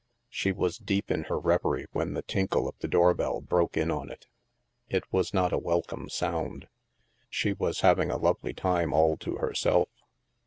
She was deep in her reverie when the tinkle of the doorbell broke in on it. It was not a welcome sound. She was having a lovely time all to her self.